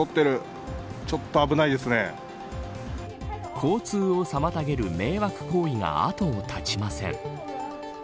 交通を妨げる迷惑行為が後を絶ちません。